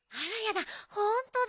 ほんとだ。